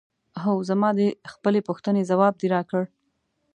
هو زما د خپلې پوښتنې ځواب دې راکړ؟